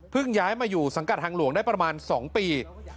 ย้ายมาอยู่สังกัดทางหลวงได้ประมาณ๒ปี